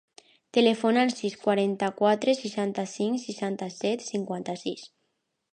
Telefona al sis, quaranta-quatre, seixanta-cinc, seixanta-set, cinquanta-sis.